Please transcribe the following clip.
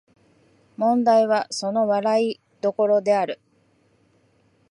問題はその笑い所である